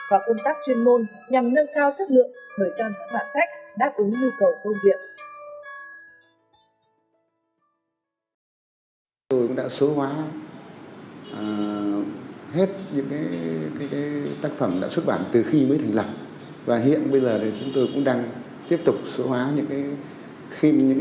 và công tác chuyên môn nhằm nâng cao chất lượng